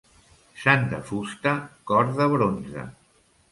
Sant de fusta, cor de bronze.